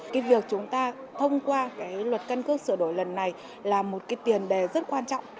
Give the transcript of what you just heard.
thì việc chúng ta thông qua luật căn cước sửa đổi lần này là một tiền đề rất quan trọng